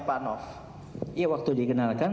pak nof ya waktu dikenalkan